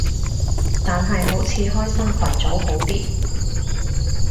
但係好似開新群組好啲